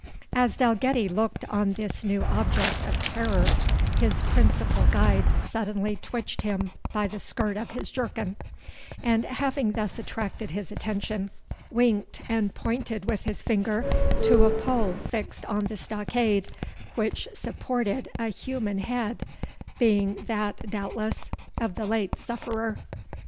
As Dalgetty looked on this new object of terror, his principal guide suddenly twitched him by the skirt of his jerkin, and having thus attracted his attention, winked and pointed with his finger to a pole fixed on the stockade, which supported a human head, being that, doubtless, of the late sufferer.